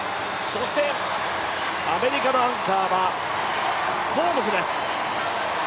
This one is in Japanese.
そしてアメリカのアンカーはホームズです。